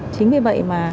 chính vì vậy